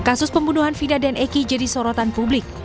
kasus pembunuhan fida dan eki jadi sorotan publik